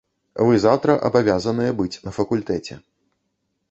Вы заўтра абавязаныя быць на факультэце.